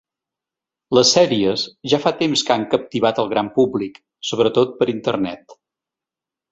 Les sèries ja fa temps que han captivat el gran públic, sobretot per internet.